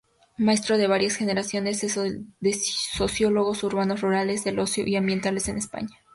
Maestro de varias generaciones de sociólogos urbanos, rurales, del ocio y ambientales en España.